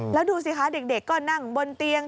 แล้วดูสิคะเด็กก็นั่งบนเตียง